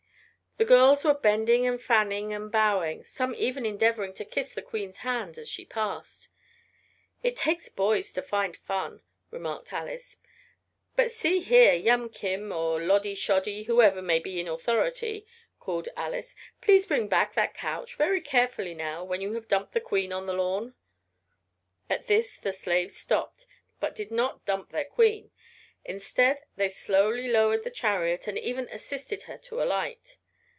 The girls were bending and fanning and bowing, some even endeavoring to kiss the queen's hand as she passed. "It takes boys to find fun," remarked Alice, "But see here, Yum kim, or Loddy Shoddy, whoever may be in authority," called Alice, "please bring back that couch, very carefully now, when you have dumped the queen on the lawn." At this the slaves stopped, but did not dump their queen. Instead, they slowly lowered the chariot, and even assisted her to alight.